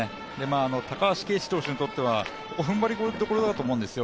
高橋奎二投手にとっては、ここは踏ん張りどころだと思うんですよ。